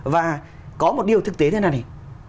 và có một điều thực tế thế này